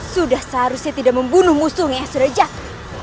sudah seharusnya tidak membunuh musuh yang sudah jatuh